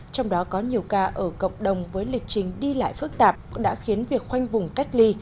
trong đó có nhiều ca ở cộng đồng với lịch trình đi lại phức tạp đã khiến việc khoanh vùng cách ly